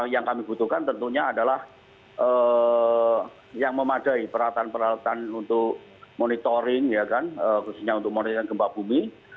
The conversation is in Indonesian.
yang kami butuhkan tentunya adalah yang memadai peralatan peralatan untuk monitoring khususnya untuk monitoring gempa bumi